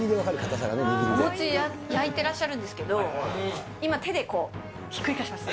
お餅焼いてらっしゃるんですけれども、今手でこう、ひっくり返してました。